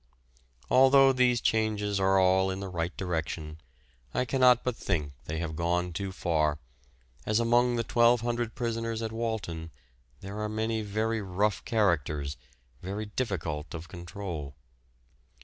Although these changes are all in the right direction, I cannot but think they have gone too far, as among the 1,200 prisoners at Walton there are many very rough characters, very difficult of control.